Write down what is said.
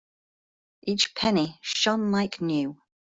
Each penny shone like new.